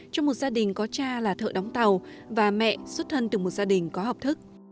trong một gia đình có cha là thợ đóng tàu và mẹ xuất thân từ một gia đình có học thức